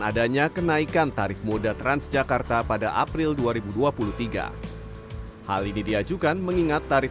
adanya kenaikan tarif moda transjakarta pada april dua ribu dua puluh tiga hal ini diajukan mengingat tarif